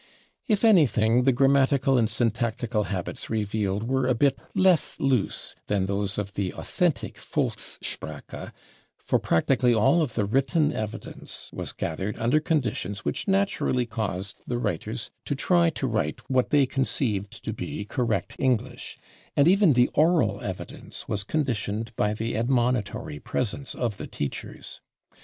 If anything, the grammatical and syntactical habits revealed were a bit less loose than those of the authentic /Volkssprache/, for practically all of the written evidence was gathered under conditions which naturally caused the writers to try to write what they conceived to be correct English, and even the oral evidence was conditioned by the admonitory presence of the teachers.